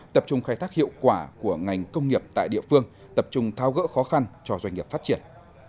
tập trung khai thác hiệu quả của ngành công nghiệp tại địa phương tập trung thao gỡ khó khăn cho doanh nghiệp phát triển